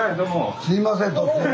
すいません突然。